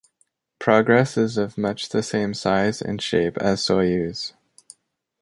Progress is of much the same size and shape as Soyuz.